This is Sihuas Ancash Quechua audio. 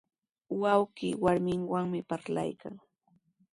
Wawqii warminwanmi parlaykan.